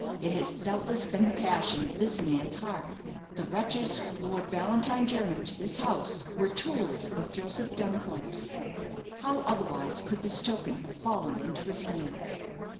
It has doubtless been the passion of this man's heart. The wretches who lured Valentine Jernam to this house were tools of Joseph Duncombe's. How otherwise could this token have fallen into his hands?"